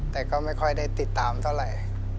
แต่ก็ไม่ค่อยได้ติดตามเท่าไหร่